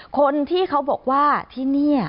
คนที่เขาบอกว่าที่นี่